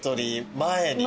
前に。